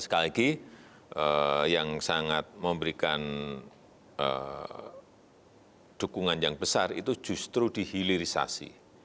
sekali lagi yang sangat memberikan dukungan yang besar itu justru dihilirisasi